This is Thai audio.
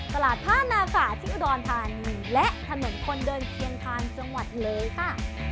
ตลาดผ้านาฝาที่อุดรธานีและถนนคนเดินเคียงทานจังหวัดเลยค่ะ